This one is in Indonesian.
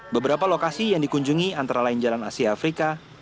beberapa lokasi yang dikunjungi antara lain jalan asia afrika